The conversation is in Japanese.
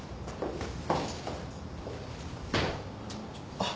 あっ。